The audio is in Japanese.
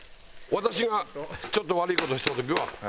私がちょっと悪い事した時はすぐ謝ります。